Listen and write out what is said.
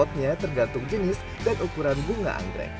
sangat jual juga